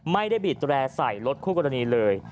ไม่ได้บีดแร่ใส่รถคู่กรณีเลย